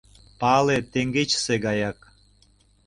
Пале теҥгечысе гаяк.